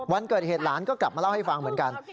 วันเกิดเหตุหลานก็กลับมาเล่าให้ฟังเหมือนกัน